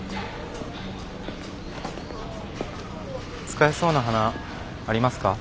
使えそうな花ありますか？